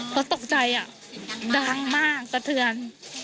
เพราะตกใจอ่ะดังมากกระเทือน